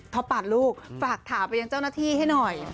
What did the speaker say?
ปาดลูกฝากถามไปยังเจ้าหน้าที่ให้หน่อย